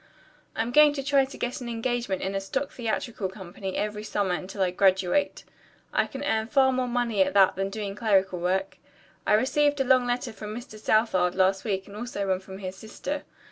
"I'm going to try to get an engagement in a stock theatrical company every summer until I graduate. I can earn far more money at that than doing clerical work. I received a long letter from Mr. Southard last week and also one from his sister.